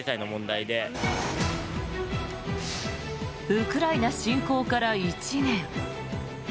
ウクライナ侵攻から１年。